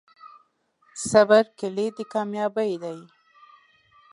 صبر کلید د کامیابۍ دی.